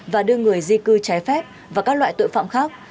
và đưa người di cư trái phép và các loại tội phạm khác